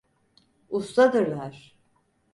Ustadırlar…